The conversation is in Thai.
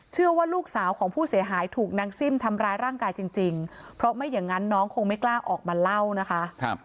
เชื่อว่าลูกสาวของผู้เสียหายถูกนางซิ่มทำร้ายร่างกายจริงเพราะไม่อย่างนั้นน้องคงไม่กล้าออกมาเล่านะคะ